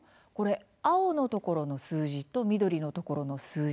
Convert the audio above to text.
青のところの数字と緑のところの数字